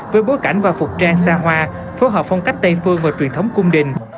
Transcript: với bố cảnh và phục trang xa hoa phối hợp phong cách tây phương và truyền thống cung đình